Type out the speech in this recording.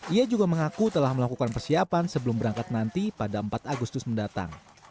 ia juga mengaku telah melakukan persiapan sebelum berangkat nanti pada empat agustus mendatang